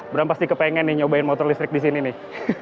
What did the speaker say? bram pasti kepengen nih nyobain motor listrik di sini nih